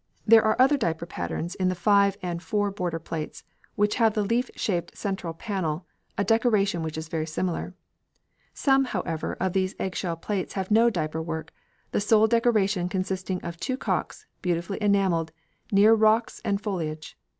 There are other diaper patterns in the five and four border plates which have in the leaf shaped central panel a decoration which is very similar. Some, however, of these eggshell plates have no diaper work, the sole decoration consisting of two cocks, beautifully enamelled, near rocks and foliage.